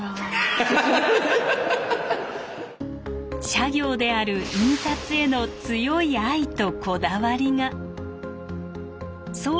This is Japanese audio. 社業である印刷への強い愛とこだわりが。